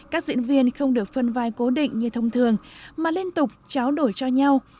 các diễn viên không được phân vai cố định như thông thường mà liên tục cháo đổi cho nhau